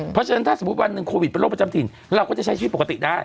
เพราะฉะนั้นถ้าสมมุติวันหนึ่งโควิดเป็นโรคประจำถิ่นเราก็จะใช้ชีวิตปกติได้